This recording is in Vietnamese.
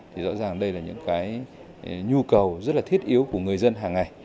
thì rõ ràng đây là những nhu cầu rất thiết yếu của người dân hàng ngày